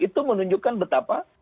itu menunjukkan betapa